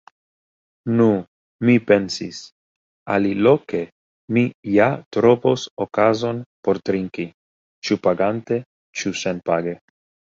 Nu mi pensis, aliloke mi ja trovos okazon por trinki, ĉu pagante ĉu senpage.